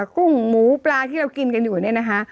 กุ้งหมูปลาที่เรากินกันอยู่เนี่ยนะคะ